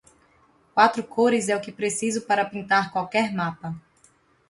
Quatro cores é o que preciso para pintar qualquer mapa.